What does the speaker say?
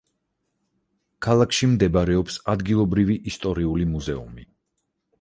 ქალაქში მდებარეობს ადგილობრივი ისტორიული მუზეუმი.